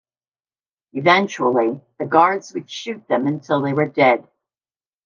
Eventually, the guards would shoot them until they were dead.